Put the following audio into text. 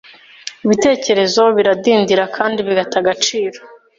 ibitekerezo biradindira kandi bigata agaciro